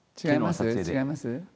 違います？